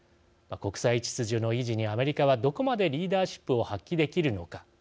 国際秩序の維持にアメリカはどこまでリーダーシップを発揮できるのか。